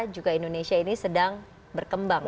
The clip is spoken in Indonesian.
juga indonesia ini sedang berkembang